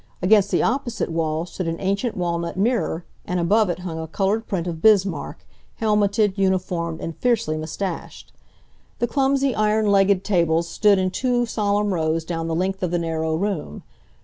Against the opposite wall stood an ancient walnut mirror, and above it hung a colored print of Bismarck, helmeted, uniformed, and fiercely mustached. The clumsy iron legged tables stood in two solemn rows down the length of the narrow room.